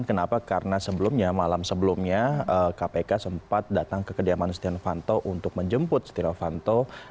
kenapa karena sebelumnya malam sebelumnya kpk sempat datang ke kediaman setia novanto untuk menjemput setia novanto